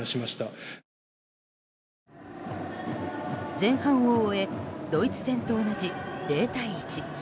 前半を終えドイツ戦と同じ０対１。